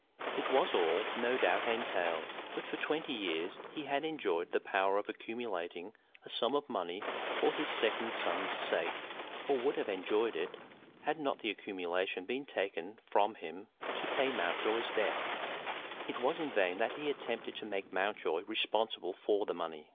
It was all, no doubt, entailed, but for twenty years he had enjoyed the power of accumulating a sum of money for his second son's sake, or would have enjoyed it, had not the accumulation been taken from him to pay Mountjoy's debts. It was in vain that he attempted to make Mountjoy responsible for the money.